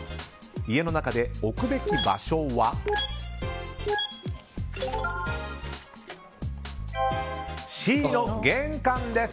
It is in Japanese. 家の中で置いておくべき場所はＣ、玄関です。